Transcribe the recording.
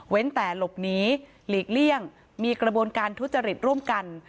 แต่หลบหนีหลีกเลี่ยงมีกระบวนการทุจริตร่วมกัน